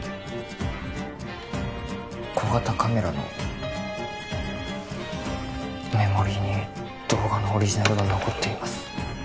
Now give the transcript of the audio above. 小型カメラのメモリーに動画のオリジナルが残っています